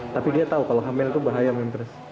tapi dia tahu kalau hamil itu bahaya minuman keras